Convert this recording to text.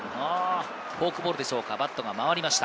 フォークボールでしょうか、バットが回りました。